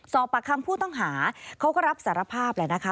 สอบปากคำผู้ต้องหาเขาก็รับสารภาพแหละนะคะ